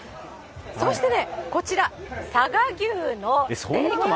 そしてね、こちら、佐賀牛のステーキ串。